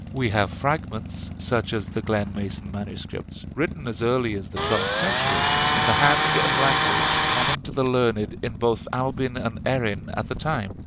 We have fragments, such as the Glen mason MS., written as early as the twelfth century, in the hand and language common to the learned in both Albin and Erin at the time.